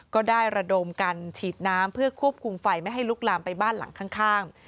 ก็ได้ระดมกันฉีดน้ำเพื่อควบคุมไฟไม่ให้ลุกลามไปบ้านหลังข้าง